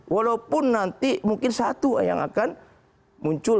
walaupun nanti mungkin satu yang akan muncul